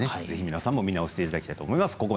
ぜひ皆さんも見直していただければと思います。